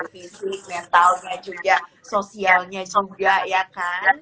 fisik mentalnya juga sosialnya juga ya kan